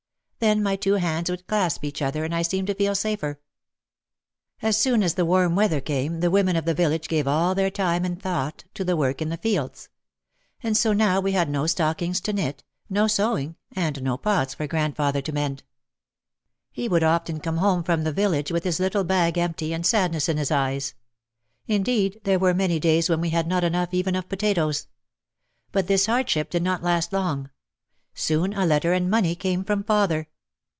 Then my two hands would clasp each other and I seemed to feel safer. As soon as the warm weather came the women of the village gave all their time and thought to the work in the fields. And so now we had no stockings to knit, no sewing, and no pots for grandfather to mend. He would often come home from the village with his little bag empty and sadness in his eyes. Indeed, there were many days when we had not enough even of potatoes. But this hardship did not last long. Soon a letter and money came from father.